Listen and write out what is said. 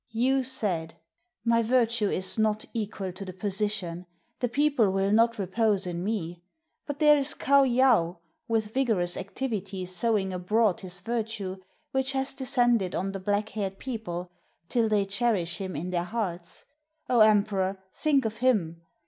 Yu said, "My virtue is not equal to the position; the people will not repose in me. But there is Kaou yaou, with vigorous activity sowing abroad his virtue, which has descended on the black haired people, till they cherish him in their hearts. O emperor, think of him